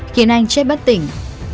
khiến anh chết bất tỉnh